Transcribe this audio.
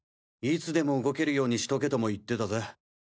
いつでも動けるようにしとけとも言ってたぜ。